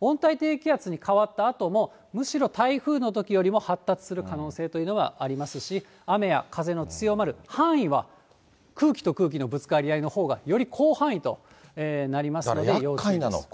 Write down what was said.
温帯低気圧に変わったあとも、むしろ台風のときよりも発達する可能性というのはありますし、雨や風の強まる範囲は、空気と空気のぶつかり合いのほうが、より広範囲となりますので要注意です。